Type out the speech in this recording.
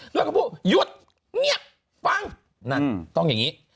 รวมถึงพูดหยุดฟังต้องอย่างนี้